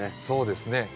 そうですね。